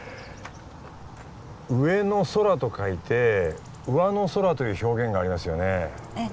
「上の空」と書いて「うわの空」という表現がありますよねええ